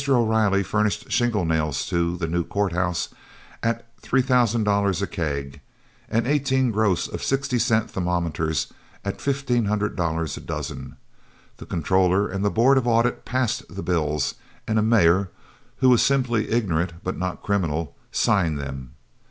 O'Riley furnished shingle nails to the new Court House at three thousand dollars a keg, and eighteen gross of 60 cent thermometers at fifteen hundred dollars a dozen; the controller and the board of audit passed the bills, and a mayor, who was simply ignorant but not criminal, signed them.